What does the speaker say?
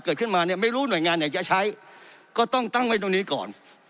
เกิดขึ้นมาเนี่ยไม่รู้หน่วยงานไหนจะใช้ก็ต้องตั้งไว้ตรงนี้ก่อน